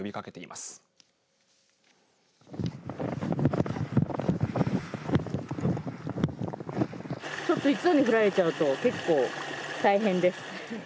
ちょっと一度に降られちゃうと結構大変です。